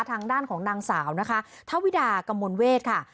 ทางด้านของนางสาวนะคะทวิดากมลเวทค่ะ